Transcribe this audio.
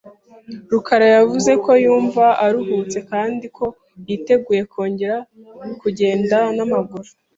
rukara yavuze ko yumva aruhutse kandi ko yiteguye kongera kugenda n'amaguru .